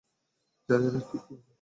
জানি না ঠিক কী হয়েছিল।